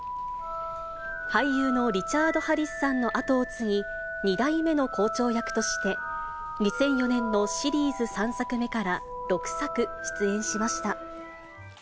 俳優のリチャード・ハリスさんの後を継ぎ、２代目の校長役として、２００４年のシリーズ３作目から６作出演しました。